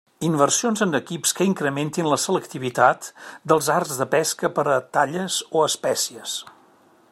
Inversions en equips que incrementin la selectivitat dels arts de pesca per talles o espècies.